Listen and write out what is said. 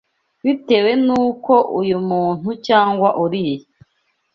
bitewe n’uko uyu muntu cyangwa uriya